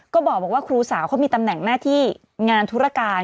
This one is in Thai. ก็บอกว่าครูสาวเขามีตำแหน่งหน้าที่งานธุรการ